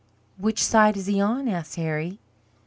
"Which side is he on?" asked Harry.